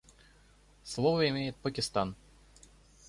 Слово имеет Пакистан.